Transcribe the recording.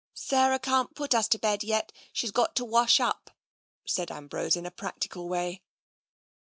'' Sarah can't put us to bed yet, she's got to wash up," said Ambrose, in a practical way.